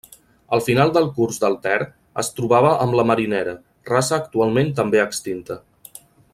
Al final del curs del Ter es trobava amb la Marinera, raça actualment també extinta.